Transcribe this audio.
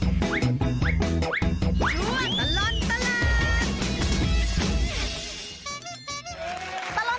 ช่วงตลอดตลาด